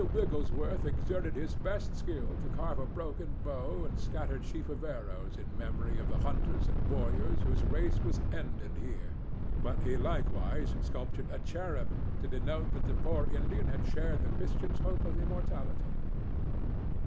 Wiggles worth exerted his best skill to carve a broken bow and scattered sheaf of arrows in memory of the hunters and warriors whose race was ended here, but he likewise sculptured a cherub, to denote that the poor Indian had shared the Christian's hope of immortality.